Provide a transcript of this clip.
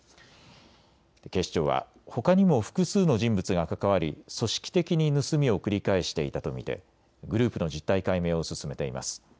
警視庁はほかにも複数の人物が関わり組織的に盗みを繰り返していたと見てグループの実態解明を進めています。